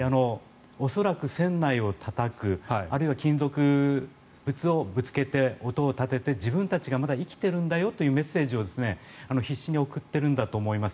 恐らく船内をたたくあるいは金属物をぶつけて音を立てて自分たちがまだ生きてるんだよというメッセージを必死に送っているんだと思います。